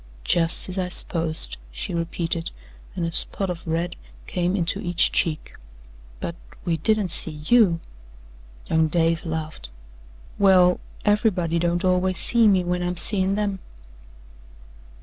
"Jus' as I s'posed," she repeated, and a spot of red came into each cheek. "But we didn't see YOU." Young Dave laughed. "Well, everybody don't always see me when I'm seein' them."